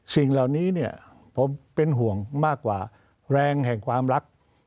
สิ่งเหล่านี้เนี่ยผมเป็นห่วงมากกว่าแรงแห่งความรัก